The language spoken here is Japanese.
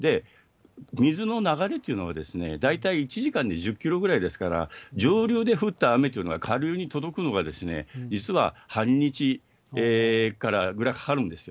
水の流れというのは大体１時間に１０キロぐらいですから、上流で降った雨というのは下流に届くのが、実は半日からぐらいかかるんですよ。